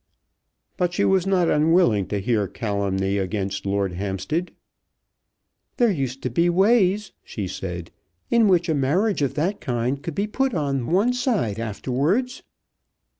But she was not unwilling to hear calumny against Lord Hampstead. "There used to be ways," she said, "in which a marriage of that kind could be put on one side afterwards."